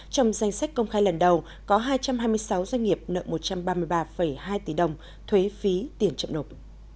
trong danh sách công khai lần đầu có hai trăm hai mươi sáu doanh nghiệp nợ một trăm ba mươi ba hai tỷ đồng thuế phí tiền chậm nộp